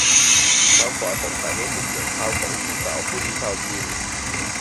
เท้าขวาของฉันรู้สึกเหมือนเท้าของหญิงสาวผู้ดีชาวจีน